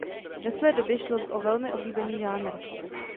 Ve své době šlo o velmi oblíbený žánr.